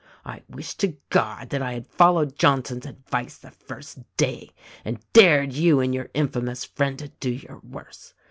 I wish to God that I had followed Johnson's advice the first day, and dared you and your infamous friend to do your worst.